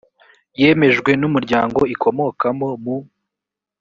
yemejwe n umuryango ikomokamo mu